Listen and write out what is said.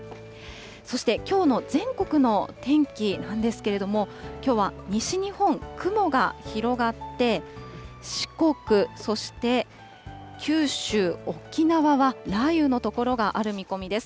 そしてきょうの全国の天気なんですけれども、きょうは西日本、雲が広がって、四国、そして九州、沖縄は雷雨の所がある見込みです。